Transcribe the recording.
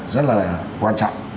rất là quan trọng